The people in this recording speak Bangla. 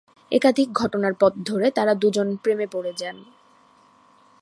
একাধিক ঘটনার পথ ধরে, তারা দুজন প্রেমে পড়ে যান।